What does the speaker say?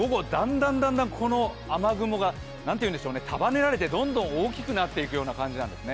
午後、段々雨雲が束ねられてどんどん大きくなっていくような感じです。